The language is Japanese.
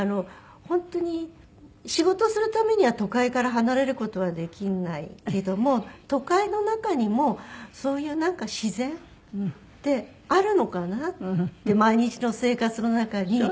本当に仕事をするためには都会から離れる事はできないけども都会の中にもそういうなんか自然ってあるのかなって毎日の生活の中に。